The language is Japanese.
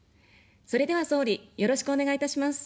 それでは総理、よろしくお願いいたします。